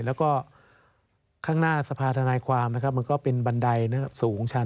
แล้วก็ข้างหน้าสภาธนายความนะครับมันก็เป็นบันไดสูงชั้น